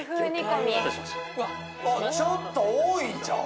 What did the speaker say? ちょっと多いんちゃう？